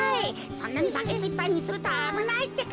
そんなにバケツいっぱいにするとあぶないってか。